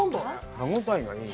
歯応えがいいね。